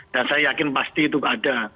dan saya yakin pasti itu ada